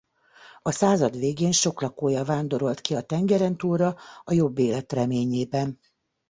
A század végén sok lakója vándorolt ki a tengerentúlra a jobb élet reményében.